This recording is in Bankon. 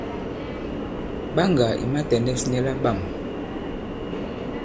Ɓaŋgà ì matɛ̀nɛs nyɛ laɓâm.